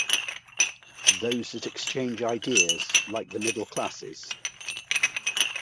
Those that exchange ideas, like the middle classes.